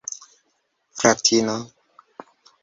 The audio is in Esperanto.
fratino